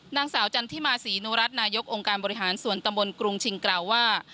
นางสาวจันทิมาศรีนุรัตินายกองค์การบริหารส่วนตำบลกรุงชิงกล่าวว่า